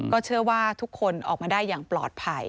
เชื่อว่าทุกคนออกมาได้อย่างปลอดภัย